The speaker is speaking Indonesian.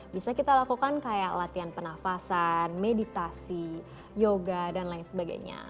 bisa kita lakukan kayak latihan penafasan meditasi yoga dan lain sebagainya